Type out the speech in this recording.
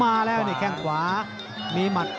มาแล้วเนี่ยแก้งขวา